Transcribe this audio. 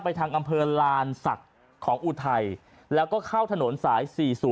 ทางอำเภอลานศักดิ์ของอุทัยแล้วก็เข้าถนนสาย๔๐